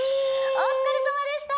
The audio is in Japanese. お疲れさまでした！